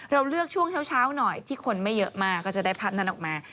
เราเลือกช่วงเช้าหน่อยที่คนไม่เยอะมากก็จะได้ภาพนั้นออกมา